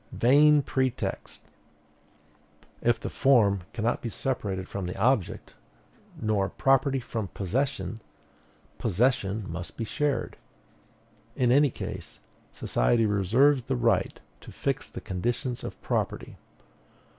Vain pretext! If the form cannot be separated from the object, nor property from possession, possession must be shared; in any case, society reserves the right to fix the conditions of property.